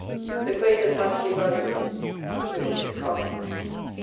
The Quakers mightily value him. The booke is common.